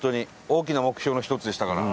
大きな目標の１つでしたから。